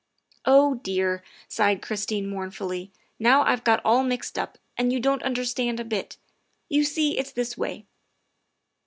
'' Oh, dear, '' sighed Christine mournfully, '' now I 've got all mixed up, and you don't understand a bit. You see it's this way.